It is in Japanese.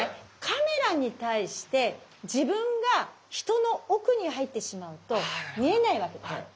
カメラに対して自分が人の奥に入ってしまうと見えないわけです。